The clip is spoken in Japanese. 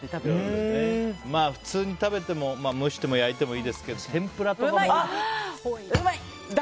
まあ、普通に食べても蒸しても焼いてもいいですけどうまい！